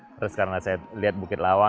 terus karena saya lihat bukit lawang